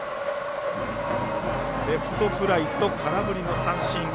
レフトフライと、空振りの三振。